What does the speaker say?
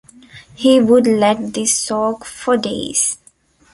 He would let this soak for days.